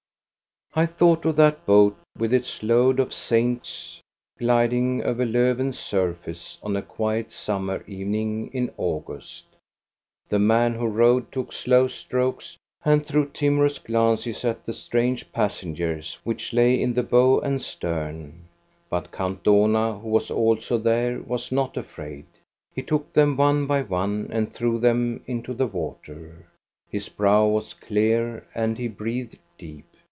I thought of that boat with its load of saints glid ing over Lofven* s surface on a quiet summer even THE PLASTER SAINTS 333 ing in August. The man who rowed took slow strokes, and threw timorous glances at the strange passengers which lay in the how and stern; but Count Dohna, who was also there, was not afraid. He took them one by one and threw them into the water. His brow was clear and he breathed deep.